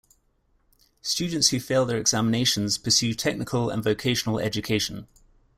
Students who fail their examinations pursue technical and vocational education.